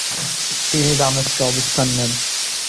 তিনি দামেস্কে অবস্থান নেন।